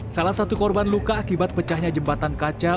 salah satu korban luka akibat pecahnya jembatan kaca